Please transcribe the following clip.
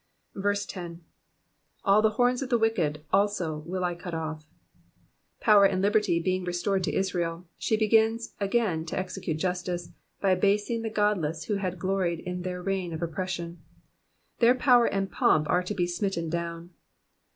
10. ^''All the horns of the wicked also will I cut off.^^ Power and liberty being restored to Israel, she begins again to execute justice, by abasing the godless who had gloried in the reign of oppression. Their power and pomp are to be smitten down.